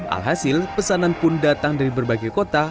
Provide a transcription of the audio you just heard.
alhasil pesanan pun datang dari berbagai kota